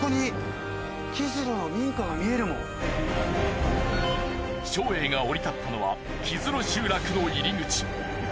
ほら照英が降り立ったのは木津呂集落の入り口。